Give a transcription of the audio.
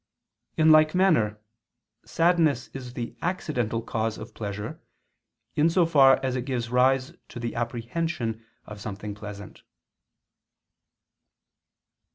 In like manner sadness is the accidental cause of pleasure, in so far as it gives rise to the apprehension of something pleasant.